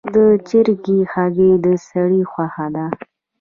د چرګې هګۍ د سړي خوښه ده.